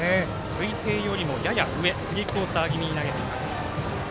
水平よりも少し上スリークオーター気味に投げています。